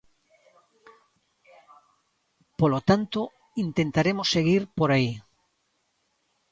Polo tanto, intentaremos seguir por aí.